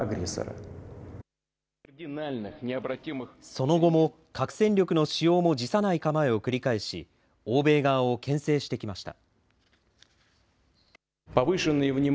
その後も核戦力の使用も辞さない構えを繰り返し、欧米側をけん制してきました。